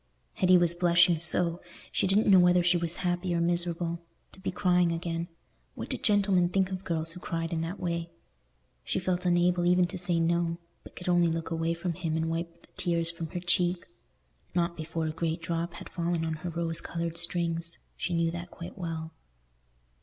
Hetty was blushing so, she didn't know whether she was happy or miserable. To be crying again—what did gentlemen think of girls who cried in that way? She felt unable even to say "no," but could only look away from him and wipe the tears from her cheek. Not before a great drop had fallen on her rose coloured strings—she knew that quite well.